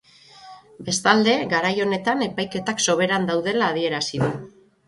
Bestalde, garai honetan epaiketak soberan daudela adierazi du.